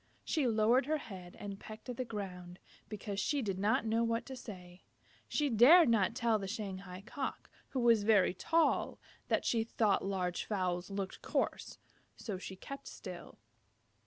She lowered her head and pecked at the ground, because she did not know what to say. She dared not tell the Shanghai Cock, who was very tall, that she thought large fowls looked coarse. So she kept still.